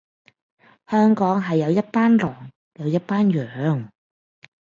香港係有一班狼，有一班羊